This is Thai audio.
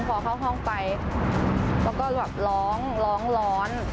พอเข้าห้องไปแล้วก็แบบร้องร้องร้อน